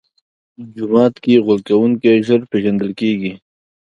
جومات کې غول کوونکی ژر پېژندل کېږي.